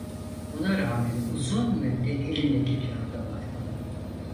Buna rağmen uzun müddet elimdeki kâğıda baktım.